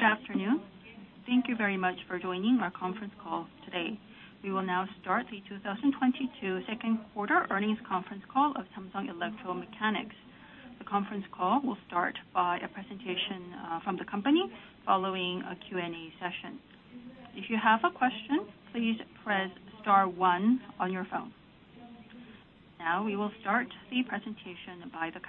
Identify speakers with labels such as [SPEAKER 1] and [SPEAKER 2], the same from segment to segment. [SPEAKER 1] Good afternoon. Thank you very much for joining our conference call today. We will now start the 2022 second quarter earnings conference call of Samsung Electro-Mechanics. The conference call will start by a presentation from the company following a Q&A session. If you have a question, please press star one on your phone. Now we will start the presentation by the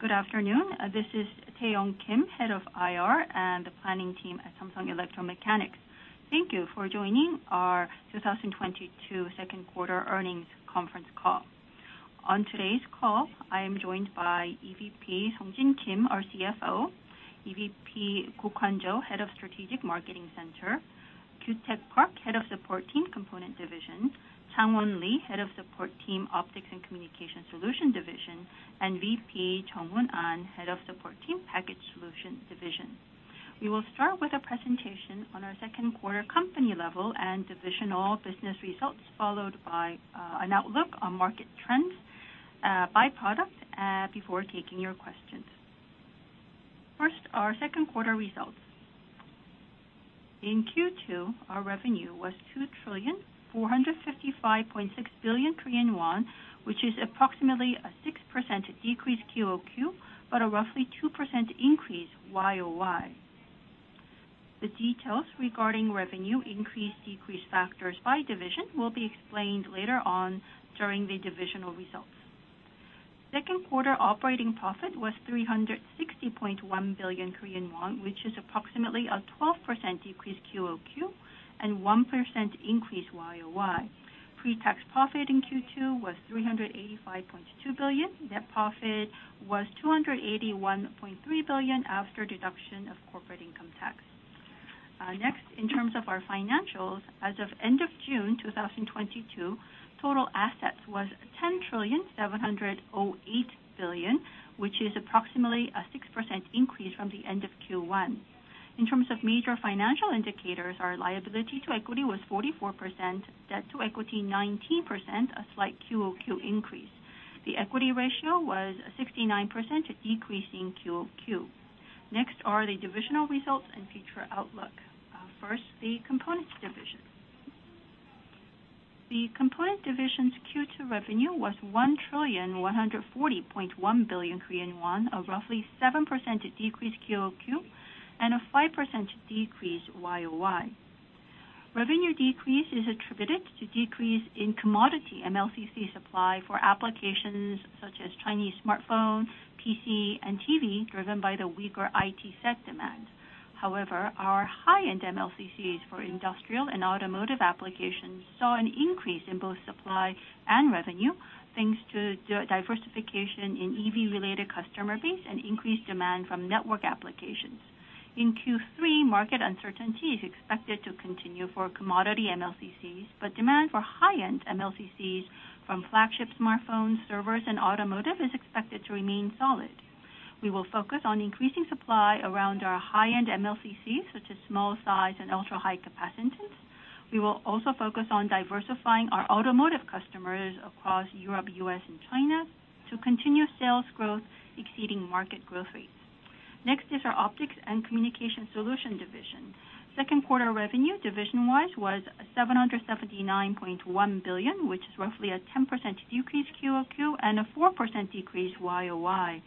[SPEAKER 1] company.
[SPEAKER 2] Good afternoon. This is Tae-Young Kim, Head of IR and the planning team at Samsung Electro-Mechanics. Thank you for joining our 2022 second quarter earnings conference call. On today's call, I am joined by EVP Sungjin Kim, our CFO, EVP Kook Hwan Cho, Head of Strategic Marketing Center, Kyu-Taeck Park, Head of Support Team Component Division, Chang Won Lee, Head of Support Team Optics and Communication Solution Division, and VP Jungwon An, Head of Support Team Package Solution Division. We will start with a presentation on our second quarter company level and divisional business results, followed by an outlook on market trends by product before taking your questions. First, our second quarter results. In Q2, our revenue was 2,455.6 billion Korean won, which is approximately a 6% decrease QOQ, but a roughly 2% increase YOY. The details regarding revenue increase/decrease factors by division will be explained later on during the divisional results. Second quarter operating profit was 360.1 billion Korean won, which is approximately a 12% decrease QOQ and 1% increase YOY. Pre-tax profit in Q2 was 385.2 billion. Net profit was 281.3 billion after deduction of corporate income tax. Next, in terms of our financials, as of end of June 2022, total assets was KRW 10,708 billion, which is approximately a 6% increase from the end of Q1. In terms of major financial indicators, our liability to equity was 44%, debt to equity 19%, a slight QOQ increase. The equity ratio was 69%, decreasing QOQ. Next are the divisional results and future outlook. First, the Components Division. The Components Division's Q2 revenue was 1,140.1 billion Korean won, a roughly 7% decrease QOQ and a 5% decrease YOY. Revenue decrease is attributed to decrease in commodity MLCC supply for applications such as Chinese smartphone, PC, and TV, driven by the weaker IT sector demand. However, our high-end MLCCs for industrial and automotive applications saw an increase in both supply and revenue, thanks to diversification in EV-related customer base and increased demand from network applications. In Q3, market uncertainty is expected to continue for commodity MLCCs, but demand for high-end MLCCs from flagship smartphones, servers, and automotive is expected to remain solid. We will focus on increasing supply around our high-end MLCCs, such as small size and ultra-high capacitance. We will also focus on diversifying our automotive customers across Europe, U.S., and China to continue sales growth exceeding market growth rates. Next is our Optics and Communication Solution Division. Second quarter revenue division-wise was 779.1 billion, which is roughly a 10% decrease QOQ and a 4% decrease YOY.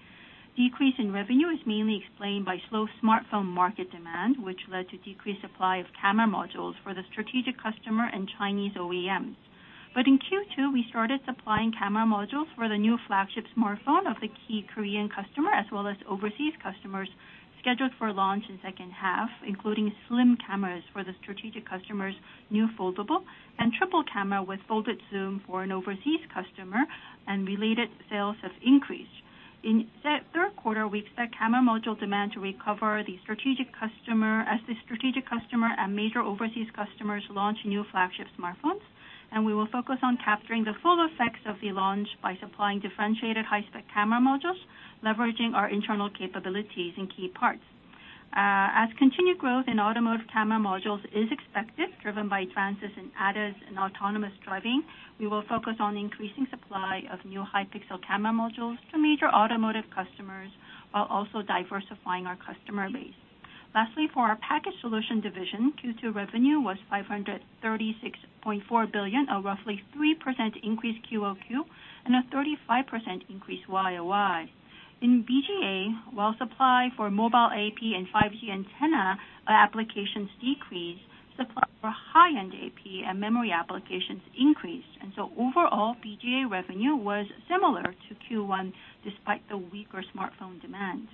[SPEAKER 2] Decrease in revenue is mainly explained by slow smartphone market demand, which led to decreased supply of camera modules for the strategic customer and Chinese OEMs. In Q2, we started supplying camera modules for the new flagship smartphone of the key Korean customer as well as overseas customers scheduled for launch in second half, including slim cameras for the strategic customer's new foldable and triple camera with folded zoom for an overseas customer and related sales have increased. In the third quarter, we expect camera module demand to recover for the strategic customer as the strategic customer and major overseas customers launch new flagship smartphones. We will focus on capturing the full effects of the launch by supplying differentiated high-spec camera modules, leveraging our internal capabilities in key parts. As continued growth in automotive camera modules is expected, driven by advances in ADAS and autonomous driving, we will focus on increasing supply of new high-pixel camera modules to major automotive customers while also diversifying our customer base. Lastly, for our package solution division, Q2 revenue was 536.4 billion, a roughly 3% increase QOQ and a 35% increase YOY. In BGA, while supply for mobile AP and 5G antenna applications decreased, supply for high-end AP and memory applications increased. Overall, BGA revenue was similar to Q1 despite the weaker smartphone demand.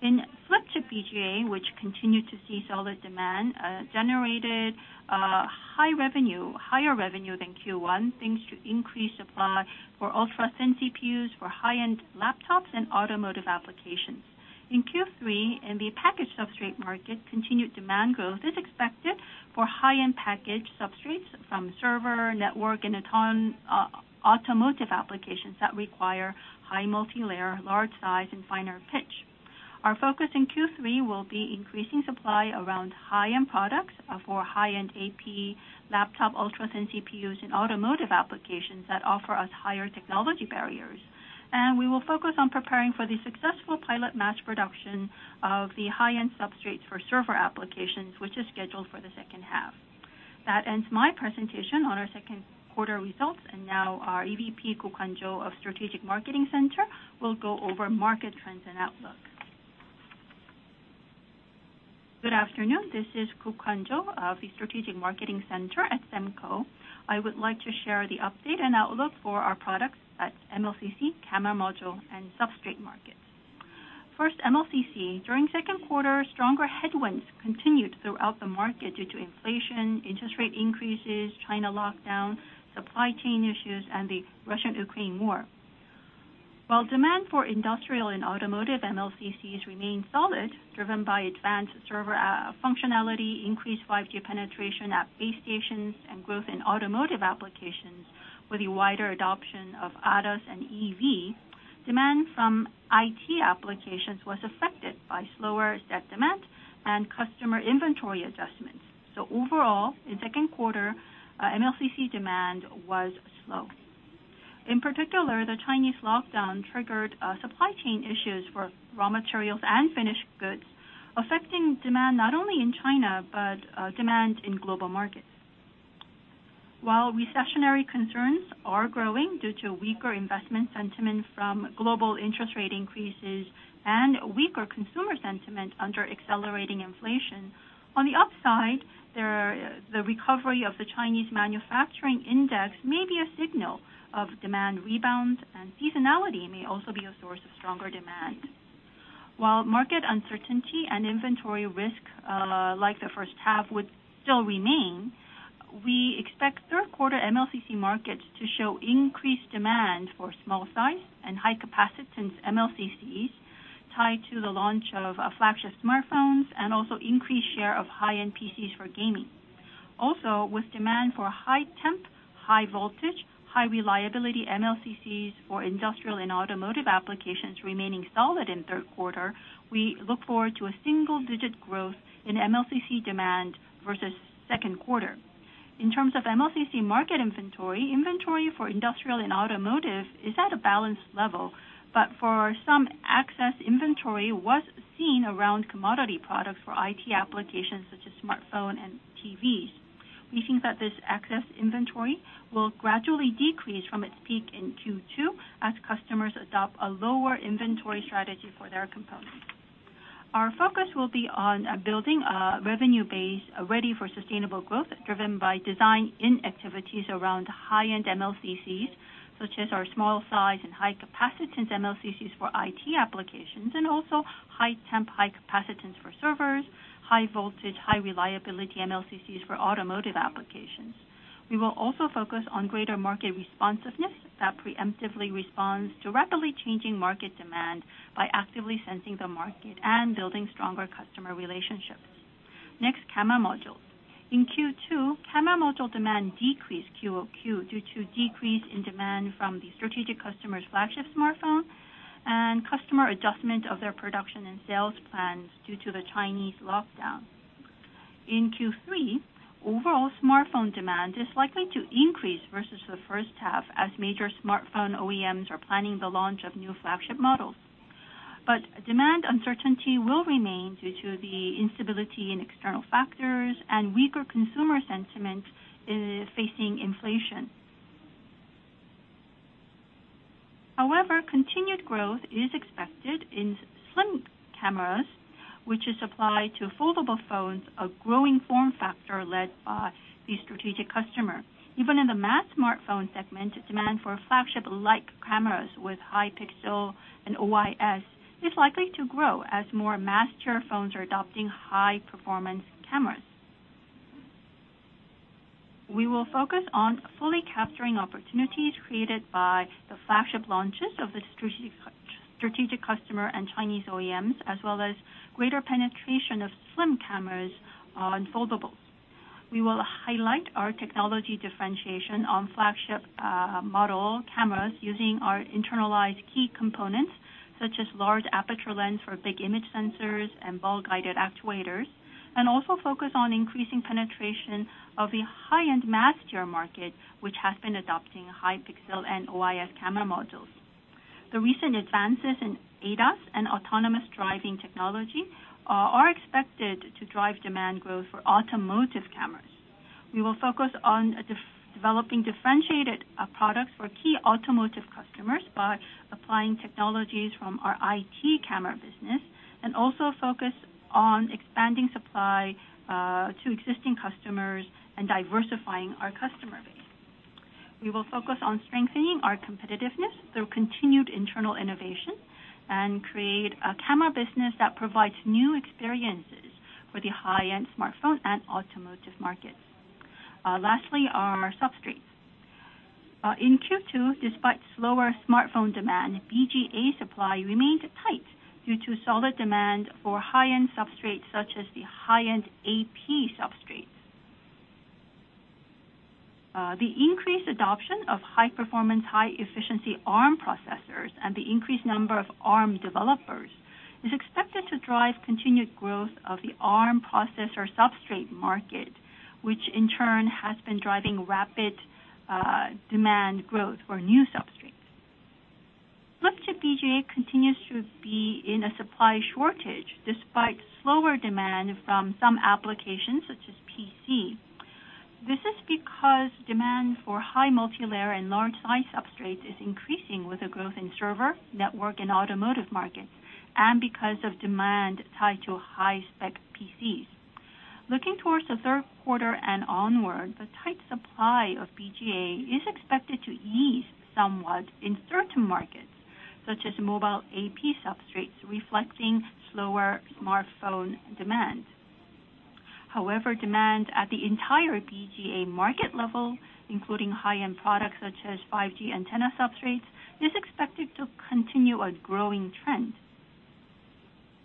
[SPEAKER 2] In flip chip BGA, which continued to see solid demand, generated high revenue, higher revenue than Q1, thanks to increased supply for ultra-thin CPUs for high-end laptops and automotive applications. In Q3, in the package substrate market, continued demand growth is expected for high-end package substrates from server, network, and automotive applications that require high multilayer, large size, and finer pitch. Our focus in Q3 will be increasing supply around high-end products for high-end AP laptop, ultra-thin CPUs in automotive applications that offer us higher technology barriers. We will focus on preparing for the successful pilot mass production of the high-end substrates for server applications, which is scheduled for the second half. That ends my presentation on our second quarter results. Now our EVP, Kook Hwan Cho, of Strategic Marketing Center will go over market trends and outlook.
[SPEAKER 3] Good afternoon. This is Kook Hwan Cho of the Strategic Marketing Center at Semco. I would like to share the update and outlook for our products at MLCC, camera module, and substrate markets. First, MLCC. During second quarter, stronger headwinds continued throughout the market due to inflation, interest rate increases, China lockdown, supply chain issues, and the Russia-Ukraine war. While demand for industrial and automotive MLCCs remained solid, driven by advanced server functionality, increased 5G-tier penetration at base stations, and growth in automotive applications with the wider adoption of ADAS and EV, demand from IT applications was affected by slower set demand and customer inventory adjustments. Overall, in second quarter, MLCC demand was slow. In particular, the Chinese lockdown triggered supply chain issues for raw materials and finished goods, affecting demand not only in China, but demand in global markets. While recessionary concerns are growing due to weaker investment sentiment from global interest rate increases and weaker consumer sentiment under accelerating inflation, on the upside, the recovery of the Chinese manufacturing index may be a signal of demand rebound, and seasonality may also be a source of stronger demand. While market uncertainty and inventory risk, like the first half would still remain, we expect third quarter MLCC markets to show increased demand for small size and high capacitance MLCCs tied to the launch of flagship smartphones and also increased share of high-end PCs for gaming. Also, with demand for high-temp, high-voltage, high-reliability MLCCs for industrial and automotive applications remaining solid in third quarter, we look forward to a single-digit growth in MLCC demand versus second quarter. In terms of MLCC market inventory for industrial and automotive is at a balanced level, but some excess inventory was seen around commodity products for IT applications such as smartphones and TVs. We think that this excess inventory will gradually decrease from its peak in Q2 as customers adopt a lower inventory strategy for their components. Our focus will be on building a revenue base ready for sustainable growth, driven by design-in activities around high-end MLCCs, such as our small size and high capacitance MLCCs for IT applications, and also high-temp, high-capacitance for servers, high voltage, high reliability MLCCs for automotive applications. We will also focus on greater market responsiveness that preemptively responds to rapidly changing market demand by actively sensing the market and building stronger customer relationships. Next, camera modules. In Q2, camera module demand decreased QOQ due to decrease in demand from the strategic customers' flagship smartphone and customer adjustment of their production and sales plans due to the Chinese lockdown. In Q3, overall smartphone demand is likely to increase versus the first half as major smartphone OEMs are planning the launch of new flagship models. Demand uncertainty will remain due to the instability in external factors and weaker consumer sentiment, facing inflation. However, continued growth is expected in slim cameras, which is supplied to foldable phones, a growing form factor led by the strategic customer. Even in the mass smartphone segment, demand for flagship-like cameras with high pixel and OIS is likely to grow as more mass-tier phones are adopting high-performance cameras. We will focus on fully capturing opportunities created by the flagship launches of the strategic customer and Chinese OEMs, as well as greater penetration of slim cameras on foldables. We will highlight our technology differentiation on flagship model cameras using our internalized key components, such as large aperture lens for big image sensors and ball-guided actuators, and also focus on increasing penetration of the high-end mass-tier market, which has been adopting high-pixel and OIS camera modules. The recent advances in ADAS and autonomous driving technology are expected to drive demand growth for automotive cameras. We will focus on developing differentiated products for key automotive customers by applying technologies from our IT camera business, and also focus on expanding supply to existing customers and diversifying our customer base. We will focus on strengthening our competitiveness through continued internal innovation and create a camera business that provides new experiences for the high-end smartphone and automotive markets. Lastly, our substrates. In Q2, despite slower smartphone demand, BGA supply remained tight due to solid demand for high-end substrates such as the high-end AP substrate. The increased adoption of high performance, high efficiency ARM processors and the increased number of ARM developers is expected to drive continued growth of the ARM processor substrate market, which in turn has been driving rapid, demand growth for new substrates. Flip chip BGA continues to be in a supply shortage despite slower demand from some applications such as PC. This is because demand for high multilayer and large size substrates is increasing with the growth in server, network and automotive markets and because of demand tied to high-spec PCs. Looking towards the third quarter and onward, the tight supply of BGA is expected to ease somewhat in certain markets, such as mobile AP substrates reflecting slower smartphone demand. However, demand at the entire BGA market level, including high-end products such as 5G antenna substrates, is expected to continue a growing trend.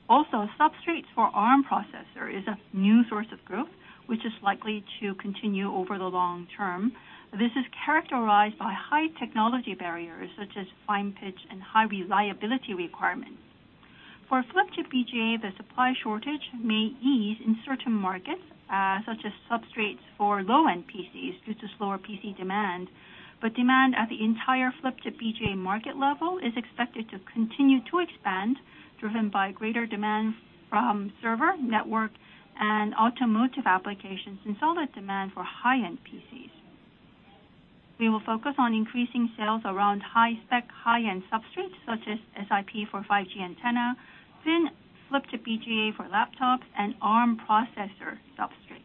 [SPEAKER 3] Also, substrates for ARM processor is a new source of growth, which is likely to continue over the long term. This is characterized by high technology barriers such as fine pitch and high reliability requirements. For flip chip BGA, the supply shortage may ease in certain markets, such as substrates for low-end PCs due to slower PC demand. Demand at the entire flip-chip BGA market level is expected to continue to expand, driven by greater demand from server, network and automotive applications and solid demand for high-end PCs. We will focus on increasing sales around high-spec, high-end substrates such as SIP for 5G antenna, thin flip chip BGA for laptops and ARM processor substrates.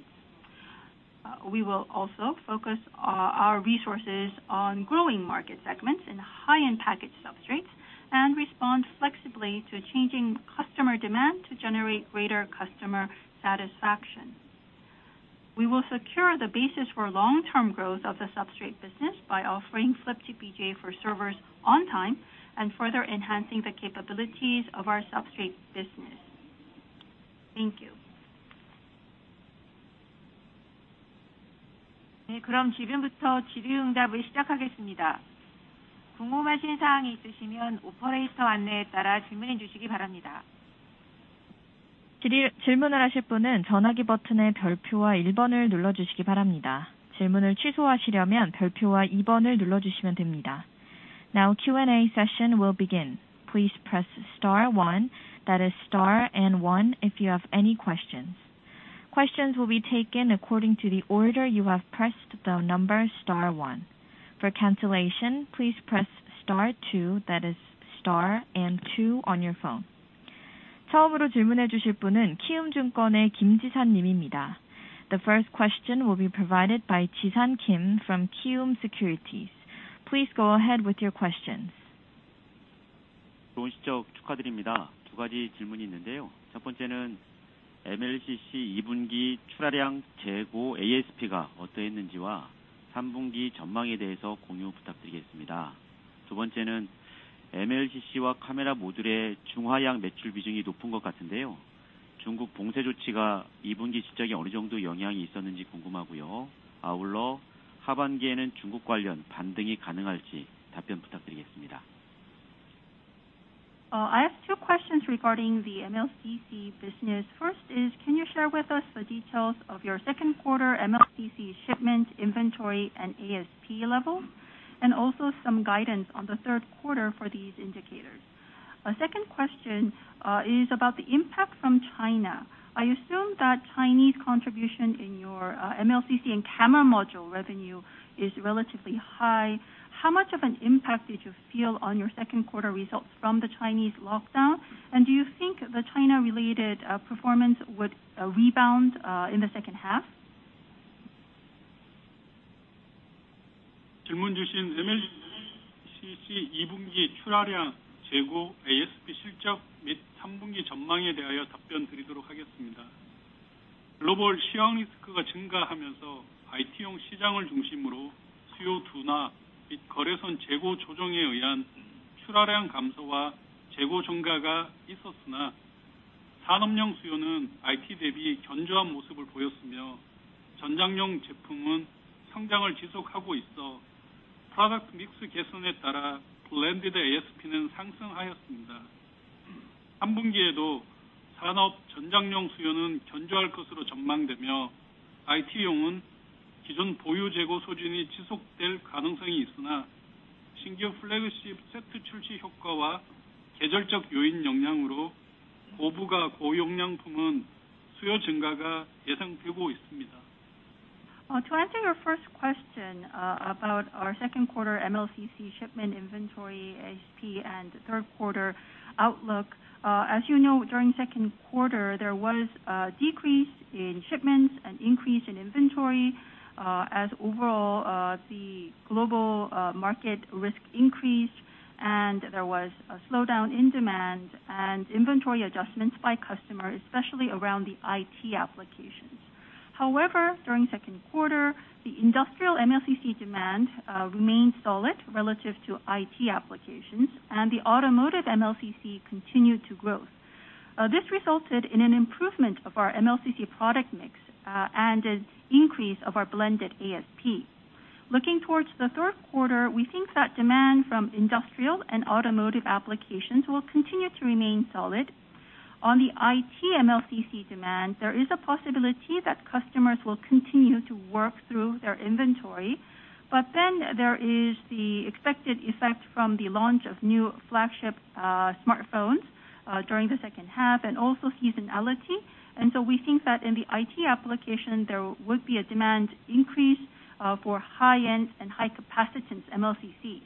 [SPEAKER 3] We will also focus our resources on growing market segments in high-end package substrates and respond flexibly to changing customer demand to generate greater customer satisfaction. We will secure the basis for long-term growth of the substrate business by offering flip chip BGA for servers on time and further enhancing the capabilities of our substrate business. Thank you.
[SPEAKER 1] Now Q&A session will begin. Please press star one, that is star and one if you have any questions. Questions will be taken according to the order you have pressed the number star one. For cancellation please press star two, that is star and two on your phone. The first question will be provided by Jisan Kim from Kiwoom Securities. Please go ahead with your questions.
[SPEAKER 4] I have two questions regarding the MLCC business. First is can you share with us the details of your second quarter MLCC shipment inventory and ASP level, and also some guidance on the third quarter for these indicators? Second question is about the impact from China. I assume that Chinese contribution in your MLCC and camera module revenue is relatively high. How much of an impact did you feel on your second quarter results from the Chinese lockdown? And do you think the China related performance would rebound in the second half? To answer your first question, about our second quarter MLCC shipment inventory ASP and third quarter outlook. As you know, during second quarter there was a decrease in shipments and increase in inventory, as overall, the global market risk increased and there was a slowdown in demand and inventory adjustments by customers, especially around the IT applications. However, during second quarter the industrial MLCC demand remained solid relative to IT applications and the automotive MLCC continued to grow. This resulted in an improvement of our MLCC product mix, and an increase of our blended ASP. Looking towards the third quarter, we think that demand from industrial and automotive applications will continue to remain solid. On the IT MLCC demand, there is a possibility that customers will continue to work through their inventory. There is the expected effect from the launch of new flagship smartphones during the second half, and also seasonality. We think that in the IT application, there would be a demand increase for high-end and high capacitance MLCCs.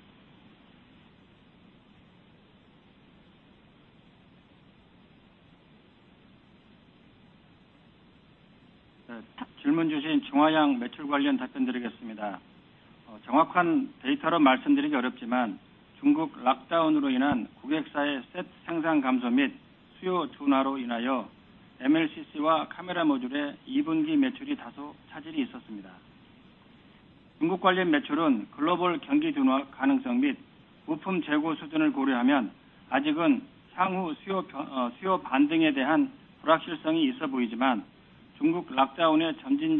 [SPEAKER 4] Answering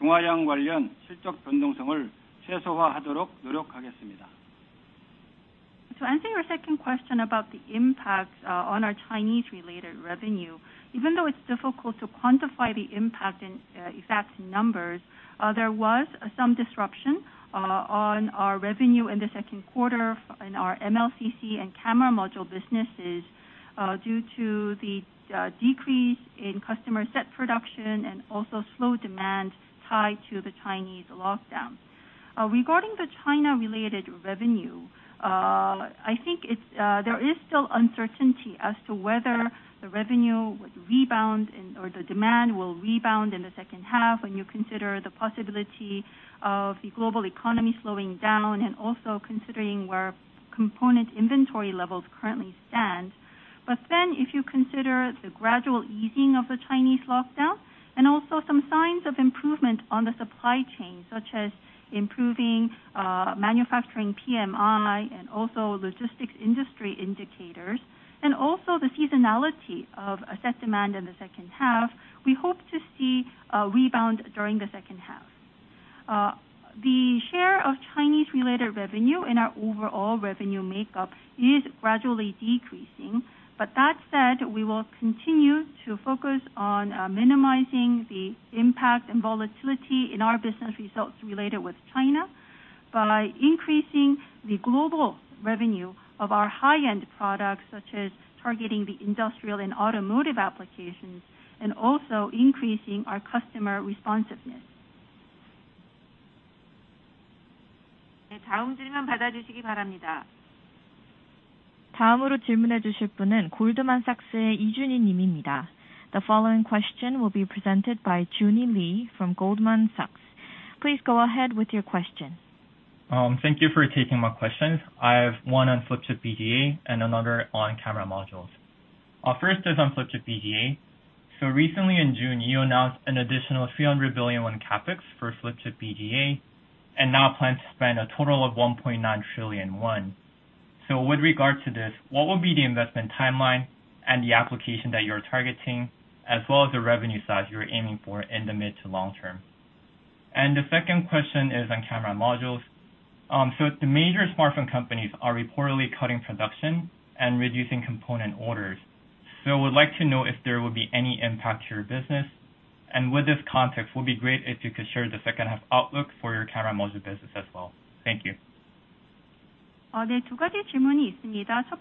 [SPEAKER 4] your second question about the impact on our China-related revenue, even though it's difficult to quantify the impact in exact numbers, there was some disruption on our revenue in the second quarter in our MLCC and camera module businesses due to the decrease in customer set production and also slow demand tied to the Chinese lockdown. Regarding the China-related revenue, I think there is still uncertainty as to whether the revenue would rebound in, or the demand will rebound in the second half when you consider the possibility of the global economy slowing down and also considering where component inventory levels currently stand. If you consider the gradual easing of the Chinese lockdown and also some signs of improvement on the supply chain, such as improving manufacturing PMI and also logistics industry indicators, and also the seasonality of asset demand in the second half, we hope to see a rebound during the second half. The share of Chinese related revenue in our overall revenue makeup is gradually decreasing. That said, we will continue to focus on minimizing the impact and volatility in our business results related with China by increasing the global revenue of our high-end products, such as targeting the industrial and automotive applications, and also increasing our customer responsiveness.
[SPEAKER 1] The following question will be presented by Joon Lee from Goldman Sachs. Please go ahead with your question.
[SPEAKER 5] Thank you for taking my questions. I have one on flip chip BGA and another on camera modules. First is on flip chip BGA. Recently in June, you announced an additional 300 billion won CapEx for flip chip BGA, and now plan to spend a total of 1.9 trillion won. With regard to this, what will be the investment timeline and the application that you're targeting, as well as the revenue size you're aiming for in the mid to long term? The second question is on camera modules. The major smartphone companies are reportedly cutting production and reducing component orders. I would like to know if there will be any impact to your business. With this context, would be great if you could share the second half outlook for your camera module business as well. Thank you.
[SPEAKER 4] Turning to your first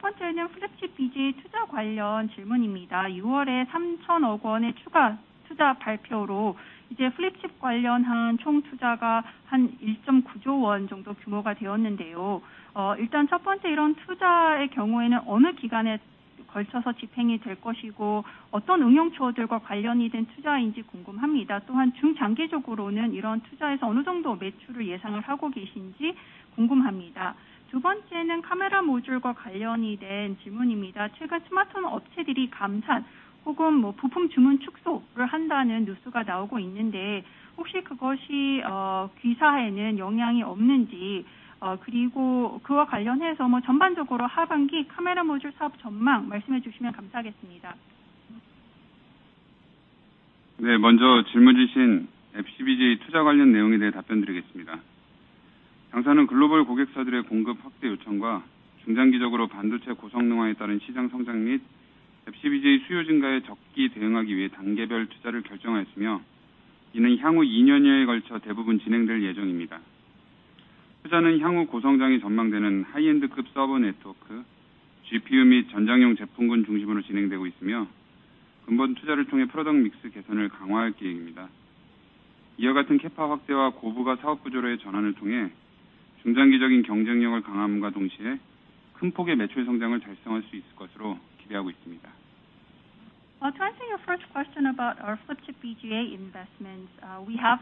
[SPEAKER 4] question about our flip chip BGA investments, we have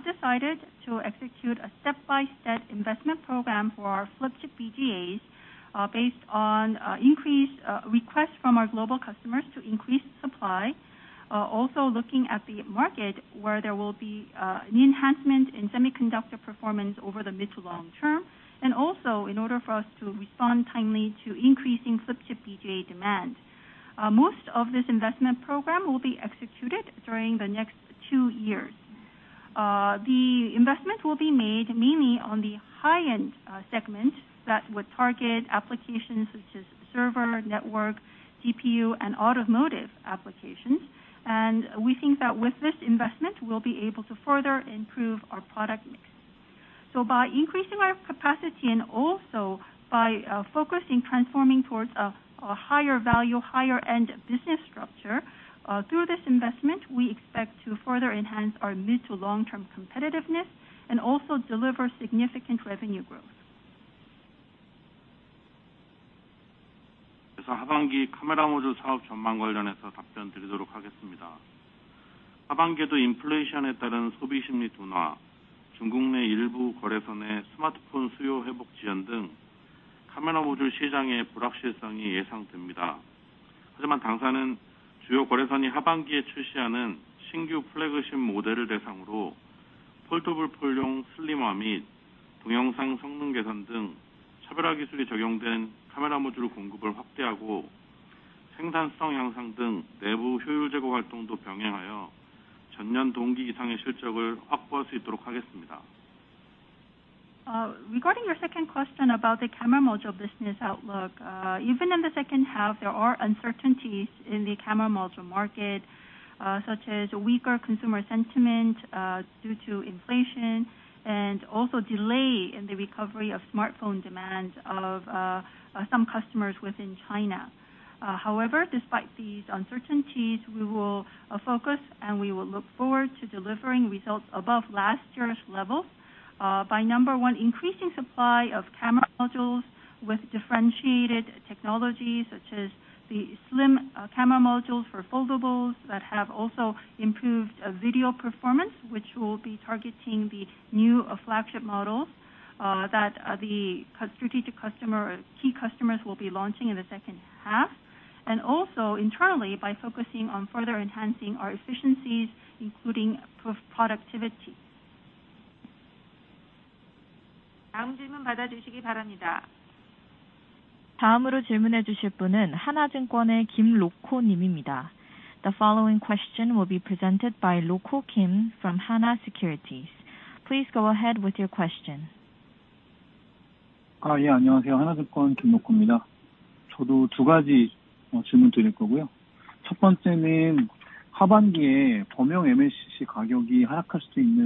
[SPEAKER 4] decided to execute a step-by-step investment program for our flip chip BGAs, based on increased requests from our global customers to increase supply. Also looking at the market where there will be an enhancement in semiconductor performance over the mid to long term, and also in order for us to respond timely to increasing flip chip BGA demand. Most of this investment program will be executed during the next two years. The investment will be made mainly on the high-end segment that would target applications such as server, network, CPU, and automotive applications. We think that with this investment, we'll be able to further improve our product mix. By increasing our capacity and also by focusing transforming towards a higher value, higher-end business structure through this investment, we expect to further enhance our mid to long-term competitiveness and also deliver significant revenue growth. Regarding your second question about the camera module business outlook, even in the second half, there are uncertainties in the camera module market, such as weaker consumer sentiment due to inflation and also delay in the recovery of smartphone demands of some customers within China. However, despite these uncertainties, we will focus and we will look forward to delivering results above last year's levels by number one, increasing supply of camera modules with differentiated technologies such as the slim camera modules for foldables that have also improved video performance, which will be targeting the new flagship models that key customers will be launching in the second half. Also internally by focusing on further enhancing our efficiencies, including productivity.
[SPEAKER 1] The following question will be presented by Kim Rok-ho from Hana Securities. Please go ahead with your question.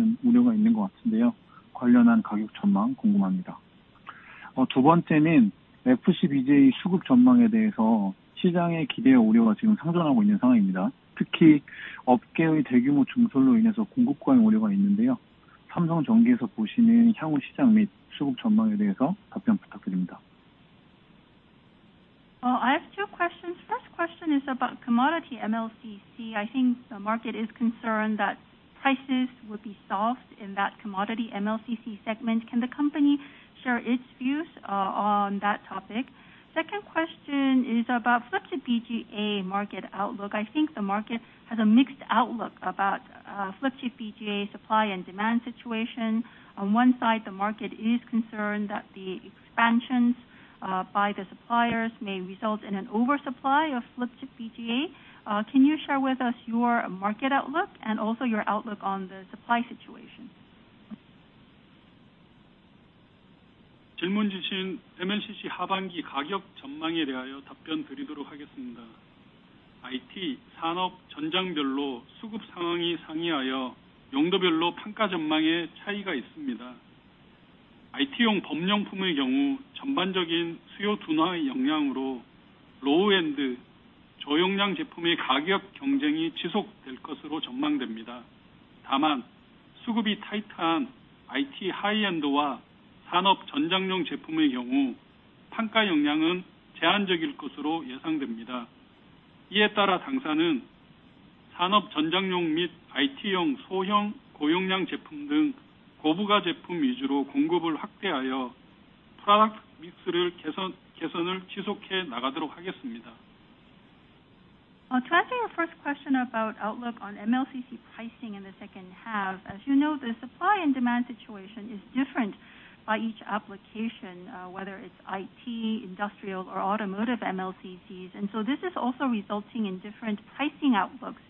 [SPEAKER 4] I have two questions. First question is about commodity MLCC. I think the market is concerned that prices would be soft in that commodity MLCC segment. Can the company share its views on that topic? Second question is about flip chip BGA market outlook. I think the market has a mixed outlook about flip chip BGA supply and demand situation. On one side, the market is concerned that the expansions by the suppliers may result in an oversupply of flip chip BGA. Can you share with us your market outlook and also your outlook on the supply situation? Turning to your first question about outlook on MLCC pricing in the second half, as you know, the supply and demand situation is different by each application, whether it's IT, industrial or automotive MLCCs, and so this is also resulting in different pricing outlooks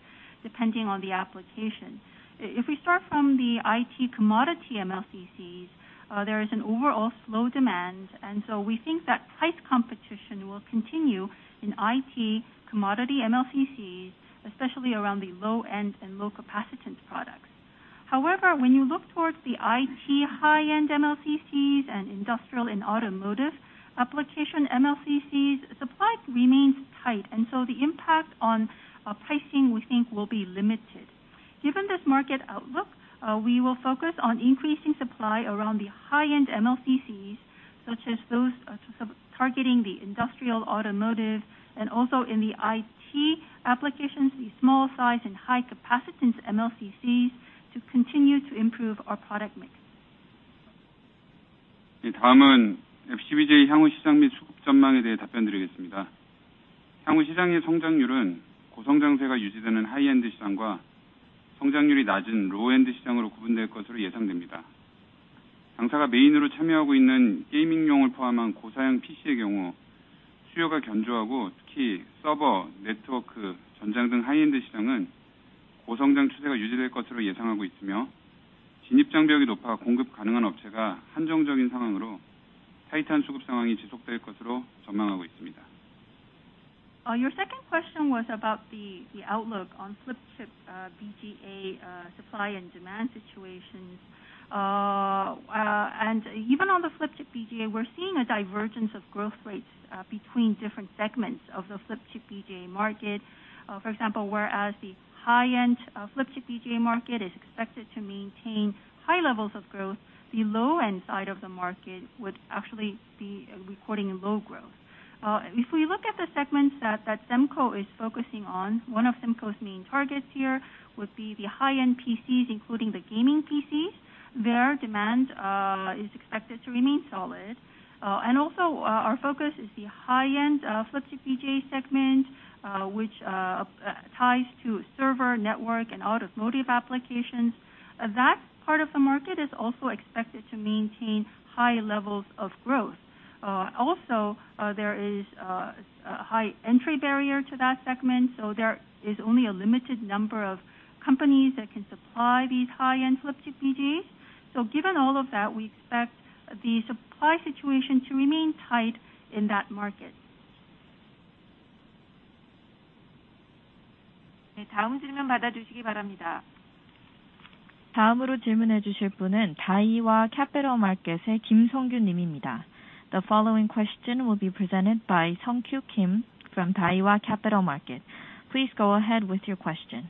[SPEAKER 4] depending on the application. If we start from the IT commodity MLCCs, there is an overall slow demand, and so we think that price competition will continue in IT commodity MLCCs, especially around the low-end and low capacitance products. However, when you look towards the IT high-end MLCCs and industrial and automotive application MLCCs, supply remains tight, and so the impact on pricing we think will be limited. Given this market outlook, we will focus on increasing supply around the high end MLCCs such as those targeting the industrial automotive and also in the IT applications, the small size and high capacitance MLCCs to continue to improve our product mix. Your second question was about the outlook on flip chip BGA supply and demand situations. Even on the flip chip BGA, we're seeing a divergence of growth rates between different segments of the flip chip BGA market. For example, whereas the high end flip chip BGA market is expected to maintain high levels of growth, the low end side of the market would actually be recording low growth. If we look at the segments that Semco is focusing on, one of Semco's main targets here would be the high-end PCs, including the gaming PCs. Their demand is expected to remain solid. Our focus is the high-end flip chip BGA segment, which ties to server network and automotive applications. That part of the market is also expected to maintain high levels of growth. Also, there is a high entry barrier to that segment, so there is only a limited number of companies that can supply these high-end flip chip BGAs. Given all of that, we expect the supply situation to remain tight in that market.
[SPEAKER 1] The following question will be presented by Sung kyu Kim from Daiwa Capital Markets. Please go ahead with your question.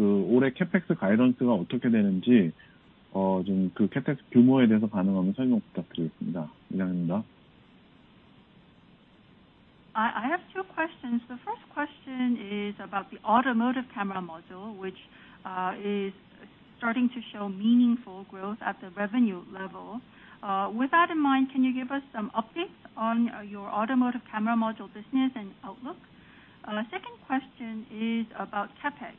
[SPEAKER 4] I have two questions. The first question is about the automotive camera module, which is starting to show meaningful growth at the revenue level. With that in mind, can you give us some updates on your automotive camera module business and outlook? Second question is about CapEx.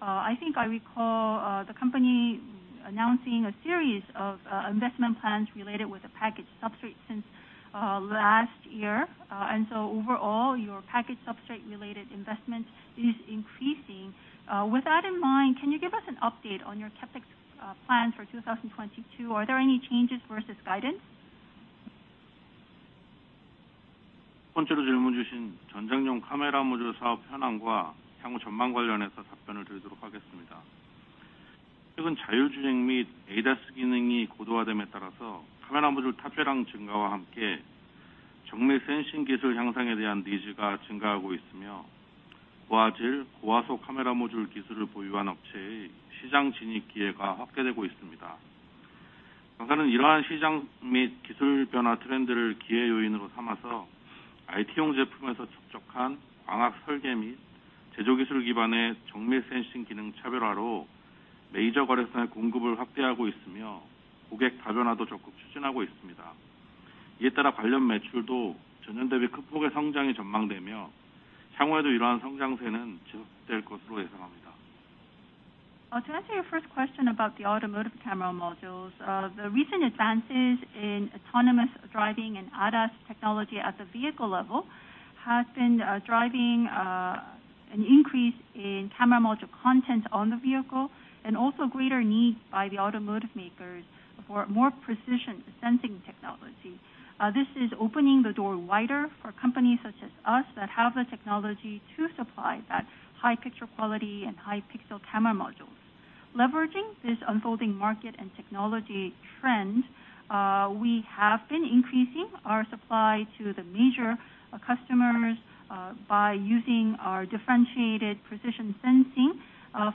[SPEAKER 4] I think I recall the company announcing a series of investment plans related with the package substrate since last year. Overall, your package substrate related investment is increasing. With that in mind, can you give us an update on your CapEx plan for 2022? Are there any changes versus guidance? To answer your first question about the automotive camera modules, the recent advances in autonomous driving and ADAS technology at the vehicle level has been driving an increase in camera module content on the vehicle and also greater need by the automotive makers for more precision sensing technology. This is opening the door wider for companies such as us that have the technology to supply that high picture quality and high pixel camera modules. Leveraging this unfolding market and technology trend, we have been increasing our supply to the major customers by using our differentiated precision sensing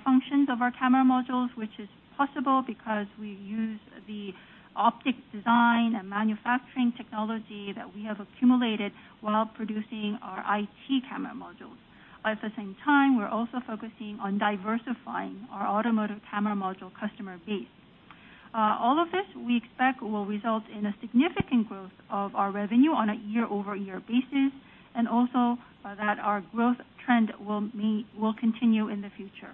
[SPEAKER 4] functions of our camera modules, which is possible because we use the optics design and manufacturing technology that we have accumulated while producing our IT camera modules. At the same time, we're also focusing on diversifying our automotive camera module customer base. All of this, we expect will result in a significant growth of our revenue on a year-over-year basis, and also that our growth trend will continue in the future.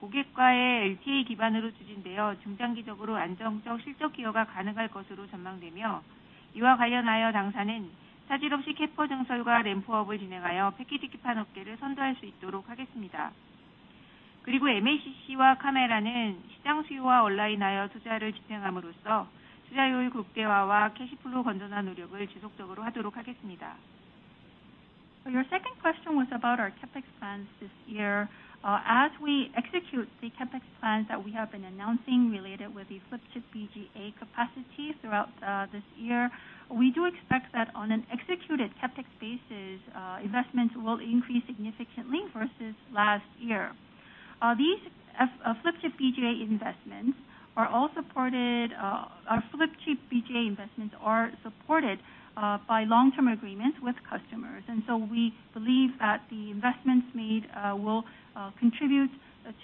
[SPEAKER 4] Your second question was about our CapEx plans this year. As we execute the CapEx plans that we have been announcing related with the flip chip BGA capacity throughout this year, we do expect that on an executed CapEx basis, investments will increase significantly versus last year. These flip chip BGA investments are supported by long-term agreements with customers. We believe that the investments made will contribute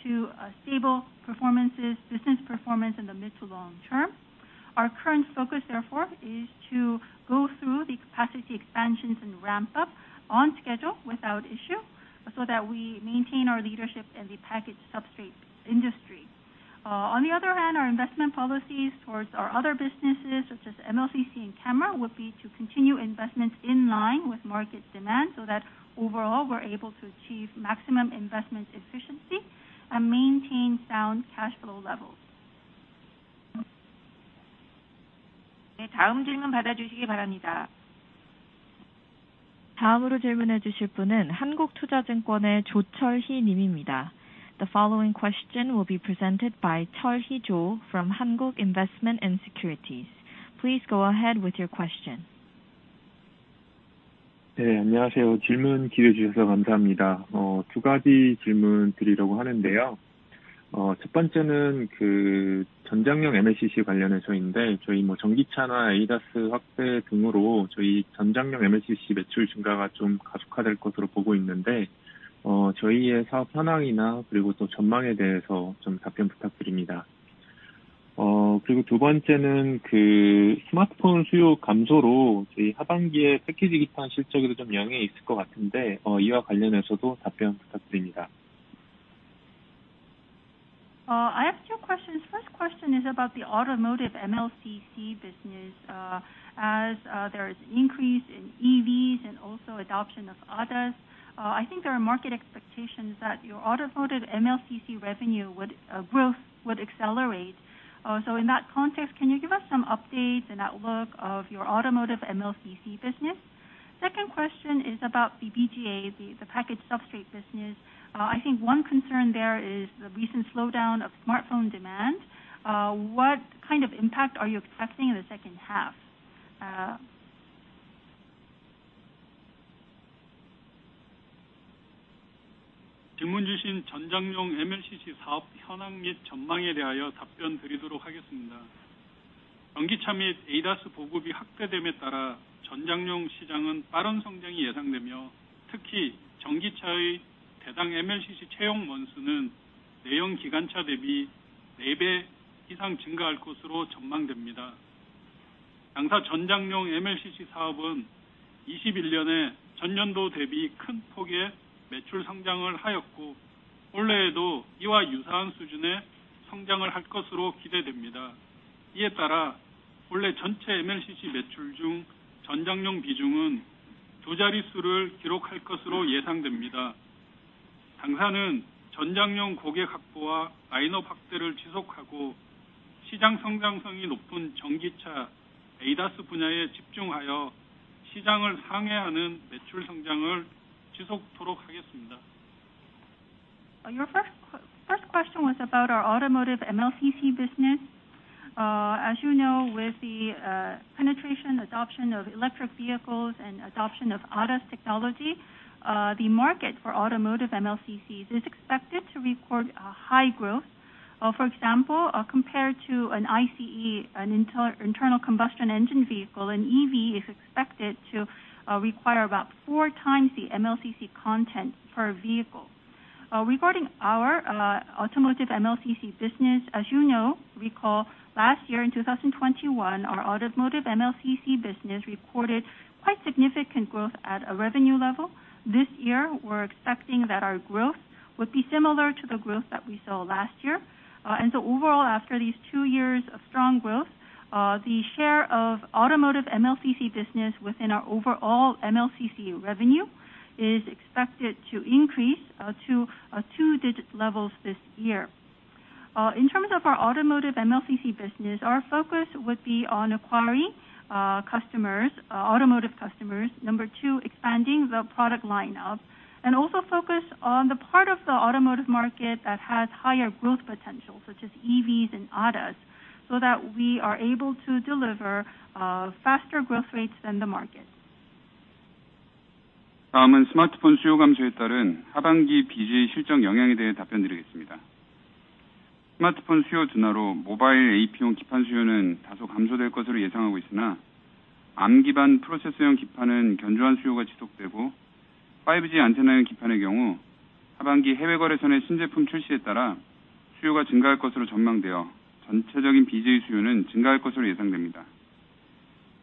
[SPEAKER 4] to stable business performance in the mid- to long-term. Our current focus, therefore, is to go through the capacity expansions and ramp up on schedule without issue, so that we maintain our leadership in the packaged substrate industry. On the other hand, our investment policies towards our other businesses, such as MLCC and camera, would be to continue investments in line with market demand so that overall, we're able to achieve maximum investment efficiency and maintain sound cash flow levels.
[SPEAKER 1] The following question will be presented by Cheol-Hee Cho from Hanwha Investment & Securities. Please go ahead with your question.
[SPEAKER 4] I have two questions. First question is about the automotive MLCC business. As there is increase in EVs and also adoption of ADAS, I think there are market expectations that your automotive MLCC revenue growth would accelerate. In that context, can you give us some updates and outlook of your automotive MLCC business? Second question is about the BGA, the packaged substrate business. I think one concern there is the recent slowdown of smartphone demand. What kind of impact are you expecting in the second half? Your first question was about our automotive MLCC business. As you know, with the penetration, adoption of electric vehicles and adoption of ADAS technology, the market for automotive MLCCs is expected to record a high growth. For example, compared to an ICE, an internal combustion engine vehicle, an EV is expected to require about four times the MLCC content per vehicle. Regarding our automotive MLCC business, as you know, recall last year in 2021, our automotive MLCC business reported quite significant growth at a revenue level. This year we're expecting that our growth would be similar to the growth that we saw last year. Overall, after these two years of strong growth, the share of automotive MLCC business within our overall MLCC revenue is expected to increase to two-digit levels this year. In terms of our automotive MLCC business, our focus would be on acquiring customers, automotive customers. Number two, expanding the product lineup and also focus on the part of the automotive market that has higher growth potential, such as EVs and ADAS, so that we are able to deliver faster growth rates than the market.
[SPEAKER 6] 다음은 스마트폰 수요 감소에 따른 하반기 BG 실적 영향에 대해 답변드리겠습니다. 스마트폰 수요 증가로 모바일 AP용 기판 수요는 다소 감소될 것으로 예상하고 있으나, ARM 기반 프로세서용 기판은 견조한 수요가 지속되고, 5G 안테나용 기판의 경우 하반기 해외 거래선의 신제품 출시에 따라 수요가 증가할 것으로 전망되어 전체적인 BG 수요는 증가할 것으로 예상됩니다.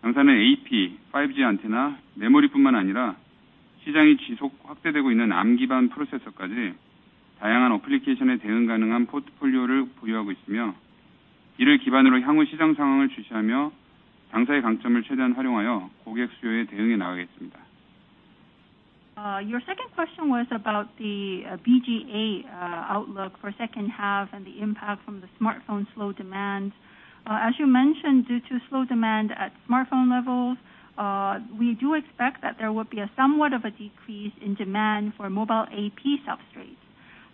[SPEAKER 6] 당사는 AP, 5G 안테나, 메모리뿐만 아니라 시장이 지속 확대되고 있는 ARM 기반 프로세서까지 다양한 어플리케이션에 대응 가능한 포트폴리오를 보유하고 있으며, 이를 기반으로 향후 시장 상황을 주시하며 당사의 강점을 최대한 활용하여 고객 수요에 대응해 나가겠습니다.
[SPEAKER 4] Your second question was about the BGA outlook for second half and the impact from the smartphone slow demand. As you mentioned, due to slow demand at smartphone levels, we do expect that there will be a somewhat of a decrease in demand for mobile AP substrates.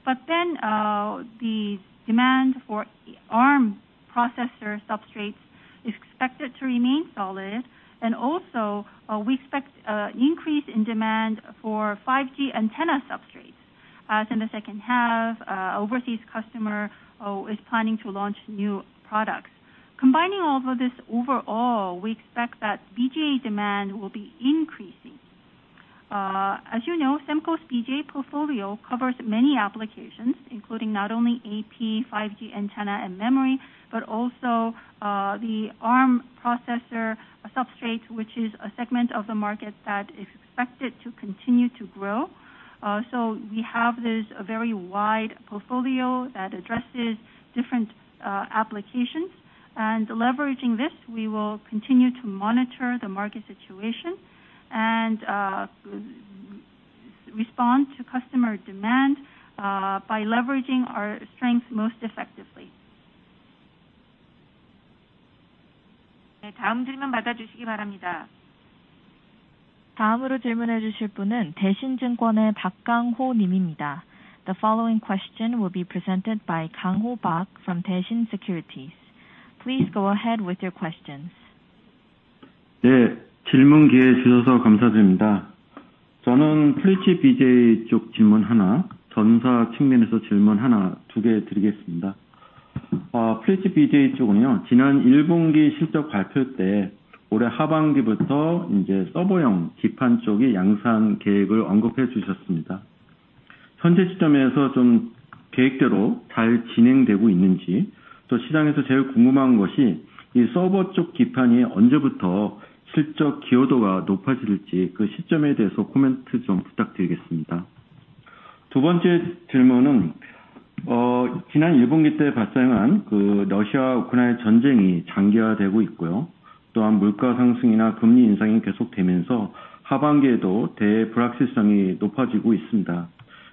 [SPEAKER 4] The demand for ARM processor substrates is expected to remain solid. We expect increase in demand for 5G antenna substrates in the second half. Overseas customer is planning to launch new products. Combining all of this, overall, we expect that BGA demand will be increasing. As you know, Semco's BGA portfolio covers many applications, including not only AP, 5G antenna and memory, but also the ARM processor substrate, which is a segment of the market that is expected to continue to grow. We have this very wide portfolio that addresses different applications. Leveraging this, we will continue to monitor the market situation and respond to customer demand by leveraging our strengths most effectively.
[SPEAKER 1] 네, 다음 질문 받아주시기 바랍니다. 다음으로 질문해 주실 분은 대신증권의 박강호 님입니다. The following question will be presented by Kang Ho Park from Daishin Securities. Please go ahead with your questions.
[SPEAKER 7] 질문 기회 주셔서 감사드립니다. 저는 flip chip BGA 쪽 질문 하나, 전사 측면에서 질문 하나, 두개 드리겠습니다. flip chip BGA 쪽은요, 지난 1분기 실적 발표 때 올해 하반기부터 이제 서버용 기판 쪽의 양산 계획을 언급해 주셨습니다. 현재 시점에서 좀 계획대로 잘 진행되고 있는지, 또 시장에서 제일 궁금한 것이 이 서버 쪽 기판이 언제부터 실적 기여도가 높아질지, 그 시점에 대해서 코멘트 좀 부탁드리겠습니다. 두 번째 질문은, 지난 1분기 때 발생한 러시아, 우크라이나 전쟁이 장기화되고 있고요. 또한 물가 상승이나 금리 인상이 계속되면서 하반기에도 대외 불확실성이 높아지고 있습니다.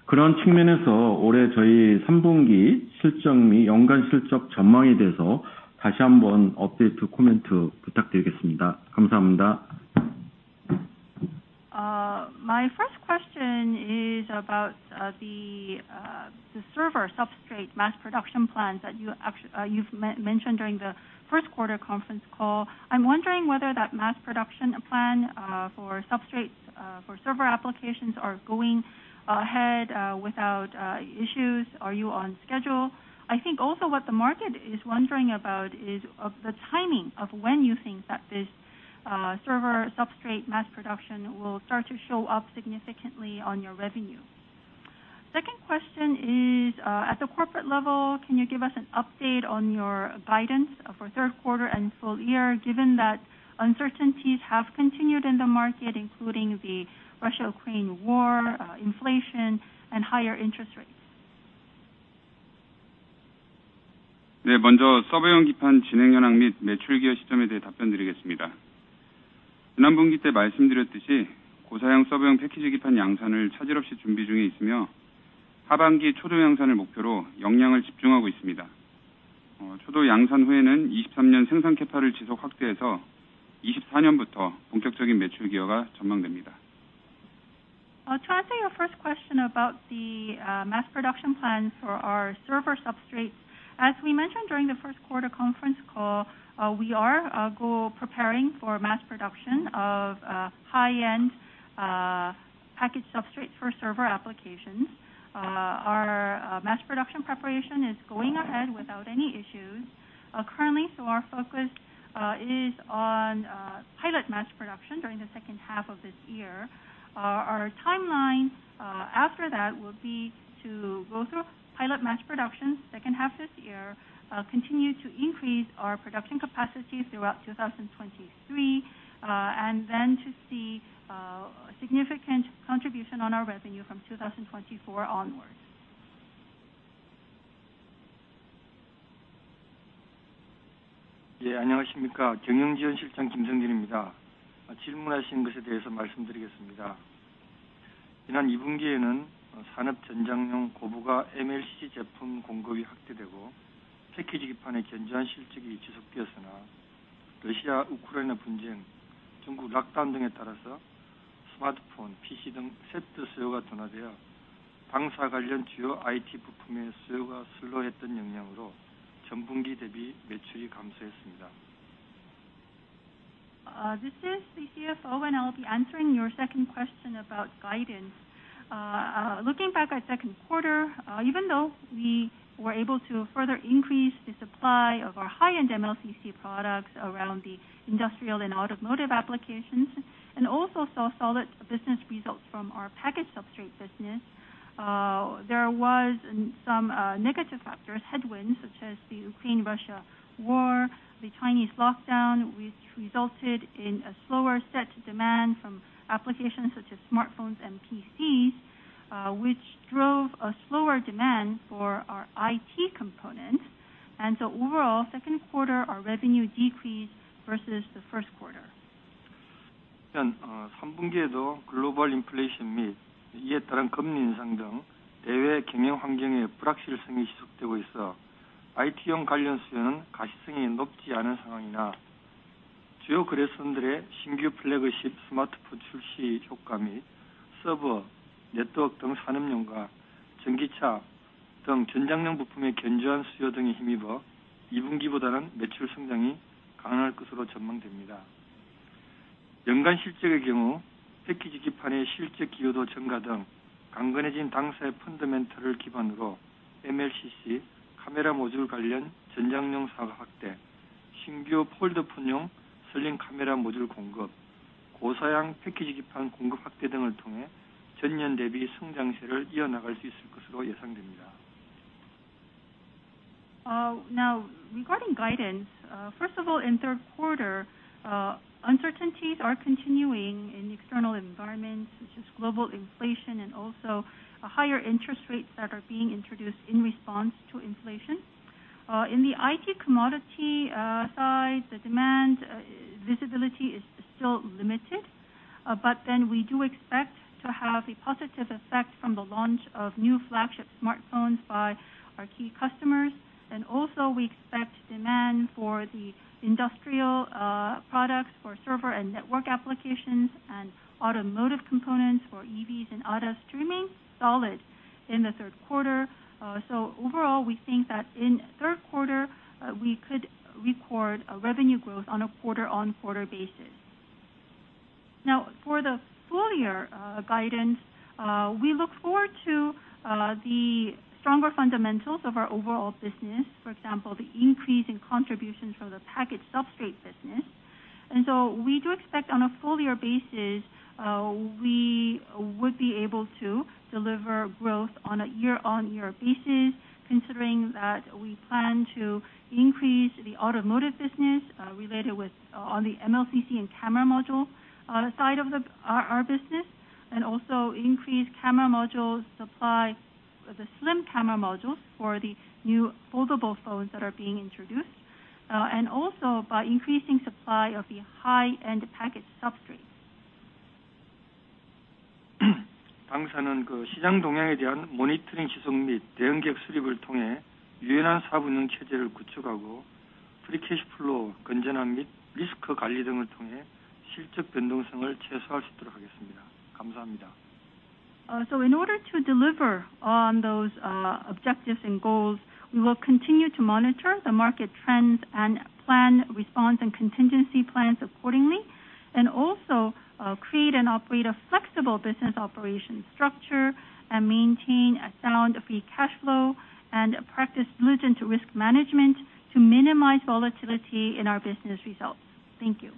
[SPEAKER 7] 그런 측면에서 올해 저희 3분기 실적 및 연간 실적 전망에 대해서 다시 한번 업데이트 코멘트 부탁드리겠습니다. 감사합니다.
[SPEAKER 4] My first question is about the server substrate mass production plans that you've mentioned during the first quarter conference call. I'm wondering whether that mass production plan for substrates for server applications are going ahead without issues. Are you on schedule? I think also what the market is wondering about is the timing of when you think that this server substrate mass production will start to show up significantly on your revenue. Second question is, at the corporate level, can you give us an update on your guidance for third quarter and full year, given that uncertainties have continued in the market, including the Russia-Ukraine war, inflation and higher interest rates?
[SPEAKER 8] 먼저 서버용 기판 진행 현황 및 매출 기여 시점에 대해 답변드리겠습니다. 지난 분기 때 말씀드렸듯이 고사양 서버용 패키지 기판 양산을 차질 없이 준비 중에 있으며, 하반기 초도 양산을 목표로 역량을 집중하고 있습니다. 초도 양산 후에는 2023년 생산 캐파를 지속 확대해서 2024년부터 본격적인 매출 기여가 전망됩니다.
[SPEAKER 4] To answer your first question about the mass production plans for our server substrates. As we mentioned during the first quarter conference call, we are preparing for mass production of high-end package substrates for server applications. Our mass production preparation is going ahead without any issues. Currently, our focus is on pilot mass production during the second half of this year. Our timeline after that will be to go through pilot mass production second half this year, continue to increase our production capacity throughout 2023, and then to see significant contribution on our revenue from 2024 onwards.
[SPEAKER 7] 예, 안녕하십니까? 경영지원실장 김성진입니다. 질문하신 것에 대해서 말씀드리겠습니다. 지난 이 분기에는 산업 전장용 고부가 MLCC 제품 공급이 확대되고, 패키지 기판의 견조한 실적이 지속되었으나, 러시아, 우크라이나 분쟁, 중국 lock down 등에 따라서 스마트폰, PC 등 set 수요가 둔화되어 당사 관련 주요 IT 부품의 수요가 슬로우했던 영향으로 전분기 대비 매출이 감소했습니다.
[SPEAKER 4] This is the CFO, and I'll be answering your second question about guidance. Looking back at second quarter, even though we were able to further increase the supply of our high-end MLCC products around the industrial and automotive applications, and also saw solid business results from our packaged substrate business, there was some negative factors, headwinds, such as the Ukraine-Russia war, the Chinese lockdown, which resulted in a slower-than-expected demand from applications such as smartphones and PCs, which drove a slower demand for our IT components. Overall, second quarter, our revenue decreased versus the first quarter. Now regarding guidance, first of all, in third quarter, uncertainties are continuing in the external environment, such as global inflation and also higher interest rates that are being introduced in response to inflation. In the IT commodity side, the demand visibility is still limited, but then we do expect to have a positive effect from the launch of new flagship smartphones by our key customers. Also we expect demand for the industrial products for server and network applications and automotive components for EVs and ADAS to remain solid in the third quarter. Overall, we think that in third quarter, we could record a revenue growth on a quarter-over-quarter basis. Now, for the full year guidance, we look forward to the stronger fundamentals of our overall business. For example, the increase in contributions from the packaged substrate business. We do expect on a full year basis, we would be able to deliver growth on a year-on-year basis, considering that we plan to increase the automotive business related to the MLCC and camera module side of our business, and also increase camera modules supply, the slim camera modules for the new foldable phones that are being introduced, and also by increasing supply of the high-end packaged substrates. In order to deliver on those objectives and goals, we will continue to monitor the market trends and plan response and contingency plans accordingly, and also create and operate a flexible business operation structure and maintain a sound free cash flow and practice diligent risk management to minimize volatility in our business results. Thank you.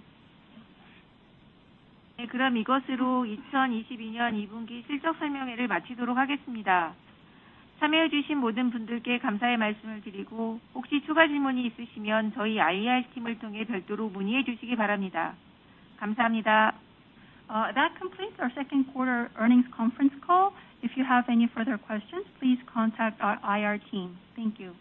[SPEAKER 1] That completes our second quarter earnings conference call. If you have any further questions, please contact our IR team. Thank you.